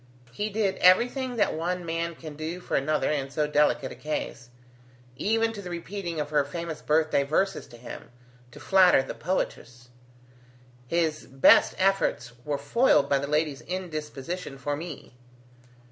He did everything that one man can do for another in so delicate a case: even to the repeating of her famous birthday verses to him, to flatter the poetess. His best efforts were foiled by the lady's indisposition for me."